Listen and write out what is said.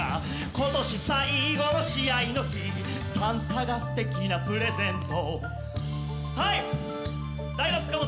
「今年最後の試合の日サンタがすてきなプレゼント」タイム！